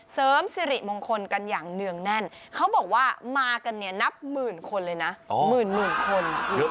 เสริมสิริมงคลกันอย่างเนื่องแน่นเขาบอกว่ามากันเนี่ยนับหมื่นคนเลยนะหมื่นคน